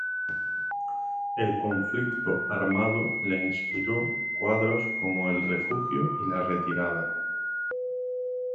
El conflicto armado le inspiró cuadros como "El refugio" y "La retirada".